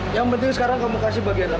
yang penting sekarang kamu kasih bagian